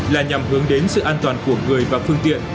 là nhằm hướng đến sự an toàn của người và phương tiện